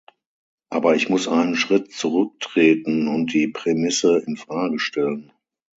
Aber ich muss einen Schritt zurücktreten und die Prämisse infrage stellen.